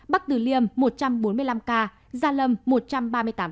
bắc tử liêm một trăm bốn mươi năm ca gia lâm một trăm ba mươi tám ca